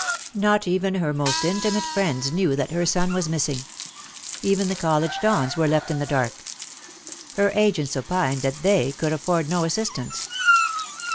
Not even her most intimate friends knew that her son was missing. Even the college dons were left in the dark. Her agents opined that they could afford no assistance.